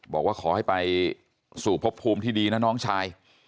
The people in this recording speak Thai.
บอกว่าขอให้ไปสู่พบภูมิที่ดีนะน้องชาย